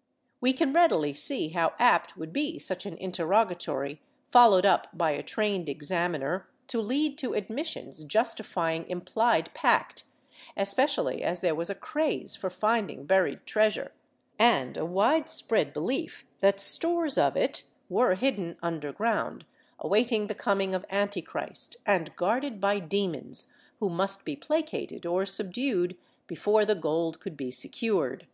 ^ We can readily see how apt would be such an interrogatory, followed up by a trained examiner, to lead to admissions justifying implied pact, especially as there was a craze for finding buried treasure, and a wide spread belief that stores of it were hidden underground, awaiting the coming of Antichrist, and guarded by demons, who must be placated or subdued before the gold could be secured.